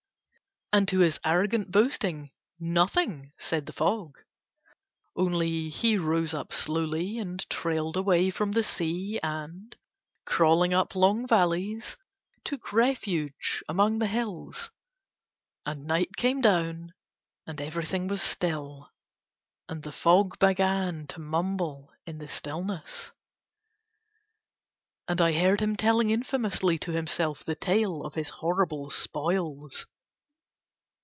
And to his arrogant boasting nothing said the fog. Only he rose up slowly and trailed away from the sea and, crawling up long valleys, took refuge among the hills; and night came down and everything was still, and the fog began to mumble in the stillness. And I heard him telling infamously to himself the tale of his horrible spoils.